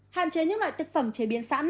hạn chế những loại thực phẩm chế biến sẵn